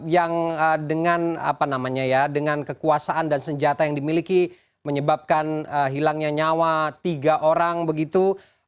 yang dengan apa namanya ya dengan kekuasaan dan senjata yang dimiliki menyebabkan hilangnya nyawa tiga orang begitu